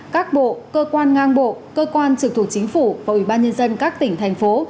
các bộ cơ quan ngang bộ cơ quan trực thuộc chính phủ và ubnd các tỉnh thành phố